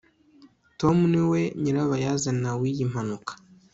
tom niwe nyirabayazana w'iyi mpanuka